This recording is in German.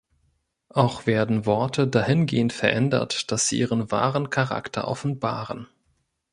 Auch werden Worte dahingehend verändert, dass sie ihren „wahren Charakter“ offenbaren.